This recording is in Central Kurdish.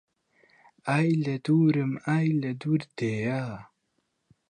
ئای لە دوورم ئای لە دوور دێیا